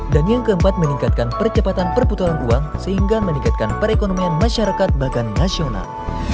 dan yang keempat meningkatkan percepatan perputuhan uang sehingga meningkatkan perekonomian masyarakat bahkan nasional